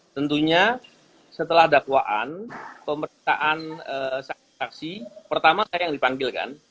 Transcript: tentunya setelah dakwaan pemerintahan saksi saksi pertama saya yang dipanggil kan